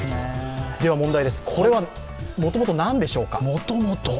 では問題です、これはもともと何でしょうか。